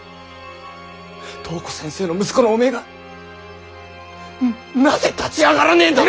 東湖先生の息子のおめえがなぜ立ち上がらねぇんだと。